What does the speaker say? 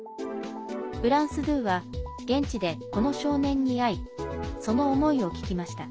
フランス２は現地でこの少年に会いその思いを聞きました。